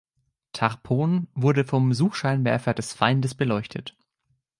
„Tarpon“ wurde vom Suchscheinwerfer des Feindes beleuchtet.